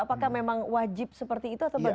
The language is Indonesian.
apakah memang wajib seperti itu ya